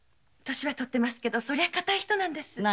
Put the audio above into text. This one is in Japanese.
年はとってますけどそれは堅い人なんです。